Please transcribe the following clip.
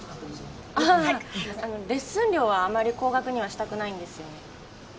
あああのレッスン料はあまり高額にはしたくないんですよね